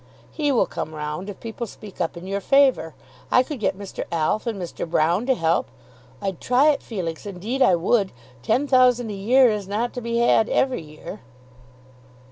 "He will come round if people speak up in your favour. I could get Mr. Alf and Mr. Broune to help. I'd try it, Felix; indeed I would. Ten thousand a year is not to be had every year."